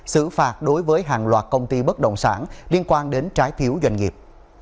xử phạt đối với hàng loạt công ty bất động sản liên quan đến trái phiếu doanh nghiệp